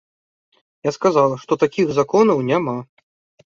Я сказала, што такіх законаў няма.